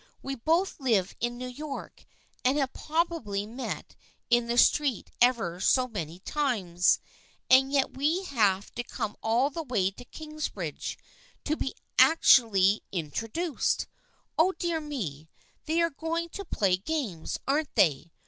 We both live in New York and have probably met in the street ever so many times, and yet we had to come all the way to Kingsbridge to be actually in troduced. Oh, dear me, they are going to play games, aren't they?